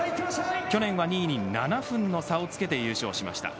去年は２位に７分の差をつけて優勝しました。